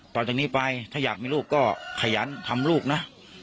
ต่อจากนี้ไปถ้าอยากมีลูกก็ขยันทำลูกนะ